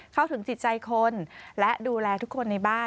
เข้าถึงจิตใจคนและดูแลทุกคนในบ้าน